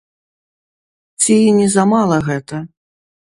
Ці не замала гэта?